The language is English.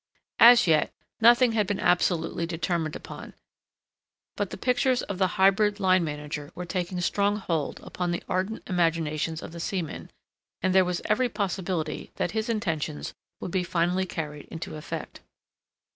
As yet, nothing had been absolutely determined upon; but the pictures of the hybrid line manager were taking strong hold upon the ardent imaginations of the seamen, and there was every possibility that his intentions would be finally carried into effect.